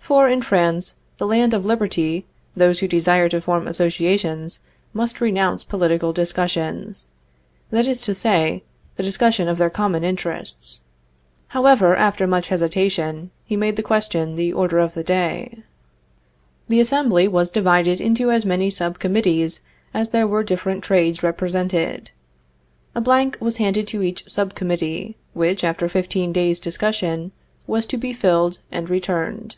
For, in France, the land of liberty, those who desire to form associations must renounce political discussions that is to say, the discussion of their common interests. However, after much hesitation, he made the question the order of the day. The assembly was divided into as many sub committees as there were different trades represented. A blank was handed to each sub committee, which, after fifteen days' discussion, was to be filled and returned.